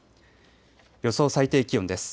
予想最低気温です。